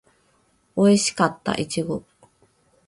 おいしかったいちご